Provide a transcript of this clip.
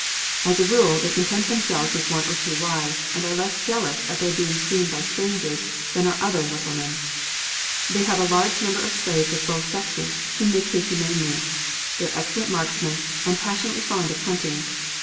As a rule, they content themselves with one or two wives, and are less jealous of their being seen by strangers than are other Mussulmen. They have a large number of slaves of both sexes, whom they treat humanely. They are excellent marksmen, and passionately fond of hunting.